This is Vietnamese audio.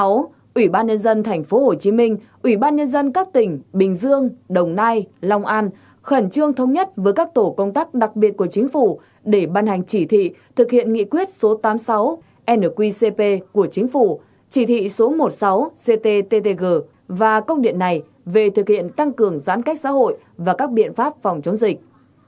sáu ủy ban nhân dân tp hcm ủy ban nhân dân các tỉnh bình dương đồng nai long an khẩn trương thống nhất với các tổ công tác đặc biệt của chính phủ để ban hành chỉ thị thực hiện nghị quyết số tám mươi sáu nqcp của chính phủ chỉ thị số một mươi sáu ctttg và công điện này về thực hiện tăng cường giãn cách xã hội và các biện pháp phòng chống dịch